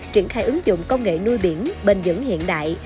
triển khai ứng dụng công nghệ nuôi biển bền dững hiện đại